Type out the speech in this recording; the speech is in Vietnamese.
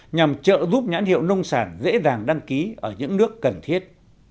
nhằm trợ giúp nhãn hiệu nông sản dễ dàng đăng ký ở những nước cần thiết